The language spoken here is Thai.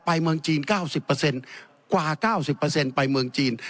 ไปเมืองจีนเก้าสิบเปอร์เซ็นต์กว่าเก้าสิบเปอร์เซ็นต์ไปเมืองจีน